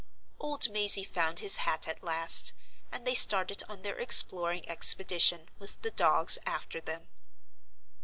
Old Mazey found his hat at last, and they started on their exploring expedition, with the dogs after them.